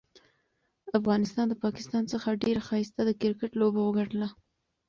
افغانستان ده پاکستان څخه ډيره ښايسته د کرکټ لوبه وګټله.